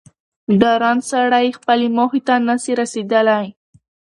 ډارن سړی خپلي موخي ته نه سي رسېدلاي